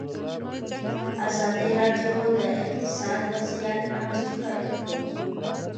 ازادي راډیو د اقتصاد وضعیت انځور کړی.